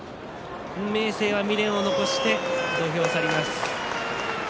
明生は未練を残して土俵を去ります。